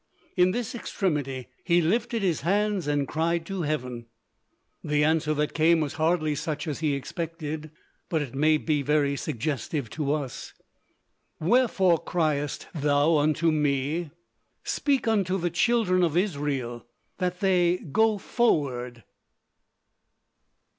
In this extremity, he lifted his hands and cried to heaven. The answer that came was hardly such as he expected, but it may be very suggestive to us: "Wherefore criest thou unto me? Speak unto the children of Israel, THAT THEY GO FORWARD."